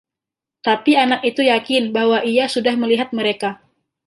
Tapi anak itu yakin bahwa ia sudah melihat mereka.